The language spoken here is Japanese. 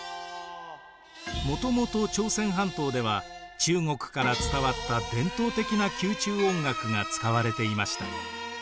もともと朝鮮半島では中国から伝わった伝統的な宮中音楽が使われていました。